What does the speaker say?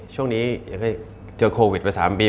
ช่วงนี้เจอโควิดมา๓ปี